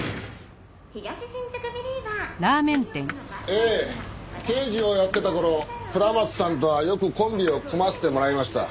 ええ刑事をやってた頃下松さんとはよくコンビを組ませてもらいました。